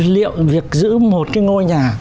liệu việc giữ một cái ngôi nhà